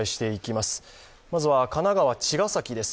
まずは、神奈川・茅ヶ崎です。